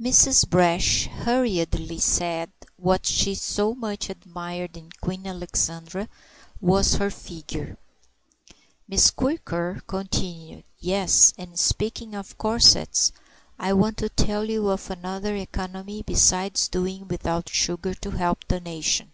Mrs. Brash hurriedly said what she so much admired in Queen Alexandra was her figure. Miss Quirker continued, "Yes, and speaking of corsets I want to tell you of another economy besides doing without sugar to help the nation.